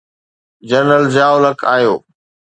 General Zia ul-Haq آيو.